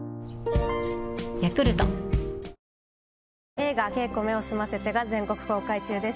映画『ケイコ目を澄ませて』が全国公開中です。